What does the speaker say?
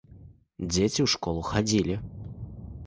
Дзеці ў школу хадзілі.